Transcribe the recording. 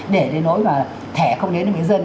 để đến nỗi mà thẻ không đến được những dân